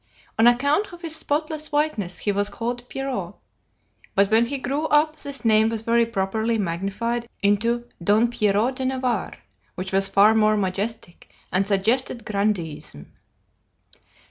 On account of his spotless whiteness he was called Pierrot; but when he grew up this name was very properly magnified into Don Pierrot de Navarre, which was far more majestic, and suggested 'grandee ism.'